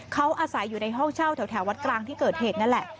เขาอาศัยอยู่ในห้องเช่าแถววัดกลางที่เกิดเหตุนั่นแหละ